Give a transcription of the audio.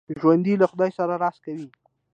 ژوندي له خدای سره راز کوي